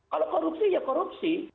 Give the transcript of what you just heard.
kalau korupsi ya korupsi